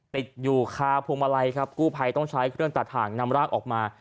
ติดอยู่คาพวงมาลัยครับกู้ภัยต้องใช้เครื่องตัดถ่างนำร่างออกมา